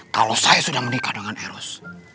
kalau saya sudah menikah dengan eros